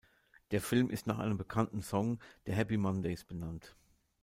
Der Film ist nach einem bekannten Song der Happy Mondays benannt.